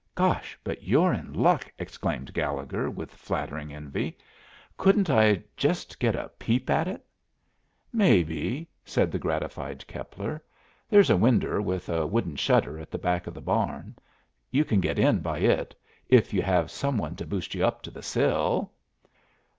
"Gosh, but you're in luck," exclaimed Gallegher, with flattering envy. "Couldn't I jest get a peep at it?" "Maybe," said the gratified Keppler. "There's a winder with a wooden shutter at the back of the barn. You can get in by it, if you have some one to boost you up to the sill."